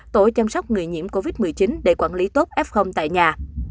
tổ chăm sóc người nhiễm covid một mươi chín để quản lý tốt f tại nhà